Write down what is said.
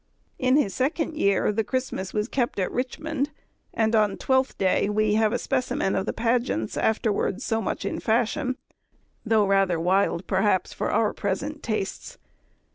In his second year the Christmas was kept at Richmond, and on the Twelfth Day we have a specimen of the pageants afterwards so much in fashion, though rather wild perhaps for our present tastes.